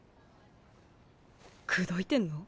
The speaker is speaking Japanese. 口説いてんの？